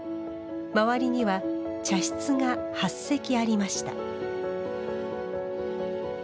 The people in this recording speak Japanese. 周りには茶室が８席ありました